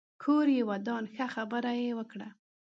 کور يې ودان ښه خبره يې وکړه